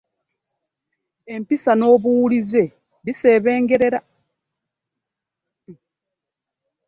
Empisa n'obuwulize bisebengerera.